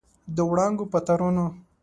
د وړانګو په تارونو